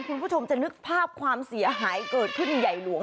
คุณผู้ชมจะนึกภาพความเสียหายเกิดขึ้นใหญ่หลวง